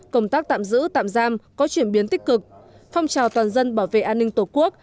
công tác tạm giữ tạm giam có chuyển biến tích cực phong trào toàn dân bảo vệ an ninh tổ quốc